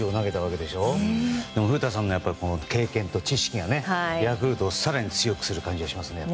でも、古田さんの経験と知識がヤクルトを更に強くする感じがしますね。